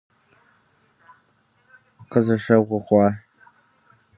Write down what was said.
Къызыщывгъэхъуа?